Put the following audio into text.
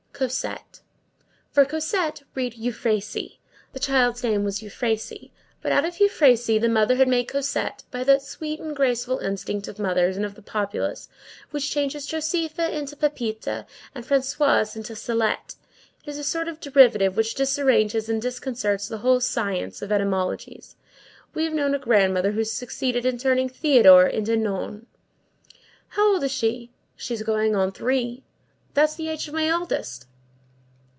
"Cosette." For Cosette, read Euphrasie. The child's name was Euphrasie. But out of Euphrasie the mother had made Cosette by that sweet and graceful instinct of mothers and of the populace which changes Josepha into Pepita, and Françoise into Sillette. It is a sort of derivative which disarranges and disconcerts the whole science of etymologists. We have known a grandmother who succeeded in turning Theodore into Gnon. "How old is she?" "She is going on three." "That is the age of my eldest."